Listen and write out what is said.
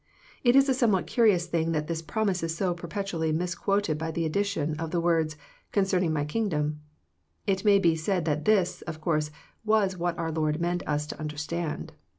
It is a somewhat curious thing that this promise is so perpetually misquoted by the addition of the words, " concerning My Kingdom." It may be said that this, of course, was what our Lord meant us to understand.